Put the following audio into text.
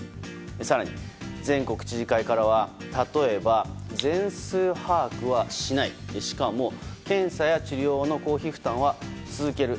更に、全国知事会からは例えば全数把握はしないしかも、検査や治療の公費負担は続ける。